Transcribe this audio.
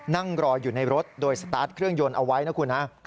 นั่งรออยู่ในรถโดยสตาร์ทเครื่องยนต์เอาไว้นะคุณฮะ